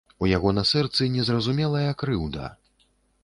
У яго на сэрцы незразумелая крыўда.